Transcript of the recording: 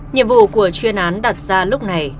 nhiệm vụ của chuyên án đặt ra lúc này